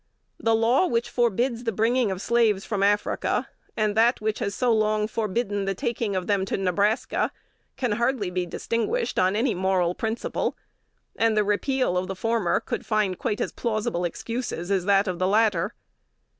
The law which forbids the bringing of slaves from Africa, and that which has so long forbidden the taking them to Nebraska, can hardly be distinguished on any moral principle; and the repeal of the former could find quite as plausible excuses as that of the latter.